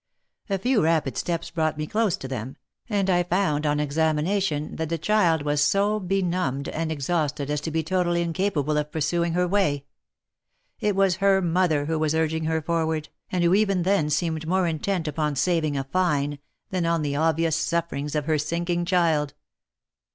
A few rapid steps brought me close to them, and I found on examination that the child was so benumbed and exhausted as to be totally incapable of pursuing her way— it was her mother who was urging her forward, and who even then seemed more intent upon saving a fine, than on the ob vious sufferings of her sinking child.